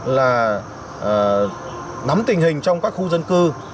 là nắm tình hình trong các khu dân cư